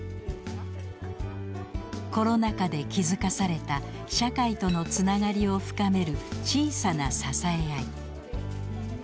コロナ禍で気付かされた社会とのつながりを深める小さな支え合い。